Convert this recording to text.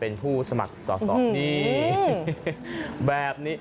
เป็นผู้สมัครสอบมูล